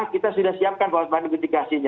kita sudah siapkan pak watmar